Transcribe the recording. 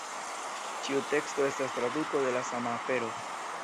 Ĉiu teksto estas traduko de la sama afero.